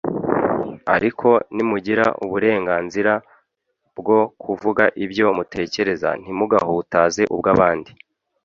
ariko nimugira uburenganzira bwo kuvuga ibyo mutekereza ntimugahutaze ubw’abandi